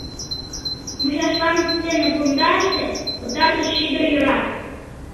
Мучашлан сцене пундаште пытартыш шӱдыр йӧра.